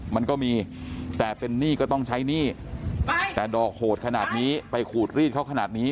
มันก็มีแต่เป็นหนี้ก็ต้องใช้หนี้แต่ดอกโหดขนาดนี้ไปขูดรีดเขาขนาดนี้